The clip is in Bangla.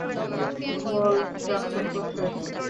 বল জাফর কোথায়?